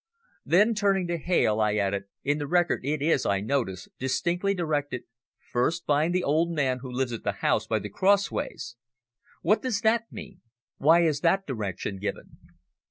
Then turning to Hales, I added, "In the record it is, I notice, distinctly directed `First find the old man who lives at the house by the crossways.' What does that mean? Why is that direction given?"